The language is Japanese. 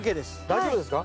大丈夫ですか？